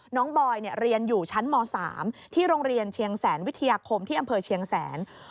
บอยเรียนอยู่ชั้นม๓ที่โรงเรียนเชียงแสนวิทยาคมที่อำเภอเชียงแสน